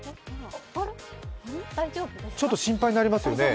ちょっと心配になりますよね。